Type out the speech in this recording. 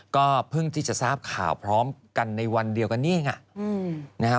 ก็เพิ่งที่จะทราบข่าวพร้อมกันในวันเดียวกันนี้เองนะฮะ